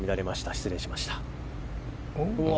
失礼致しました。